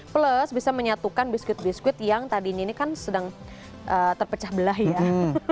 plus bisa menyatukan biskuit biskuit yang tadinya ini kan sedang terpecah belah ya